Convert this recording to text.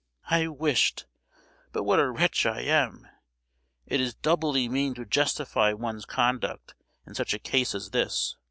I wished,—but what a wretch I am! it is doubly mean to justify one's conduct in such a case as this!